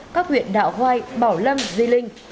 các huyện đạo hoài bảo lâm di linh